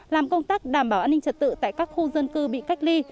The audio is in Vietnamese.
làm công tác đảm bảo an ninh trật tự tại các khu dân cư bị cách ly